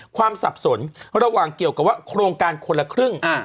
สับสนระหว่างเกี่ยวกับว่าโครงการคนละครึ่ง